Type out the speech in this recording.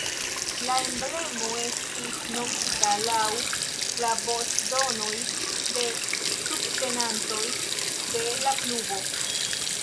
La emblemo estis nomita laŭ la voĉdonoj de subtenantoj de la klubo.